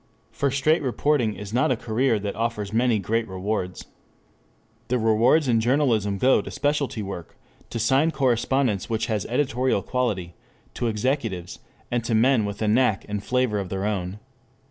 For straight reporting is not a career that offers many great rewards. The rewards in journalism go to specialty work, to signed correspondence which has editorial quality, to executives, and to men with a knack and flavor of their own.